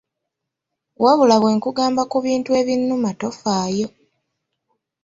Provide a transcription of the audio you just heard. Wabula bwe nkugamba ku bintu ebinnuma tofaayo.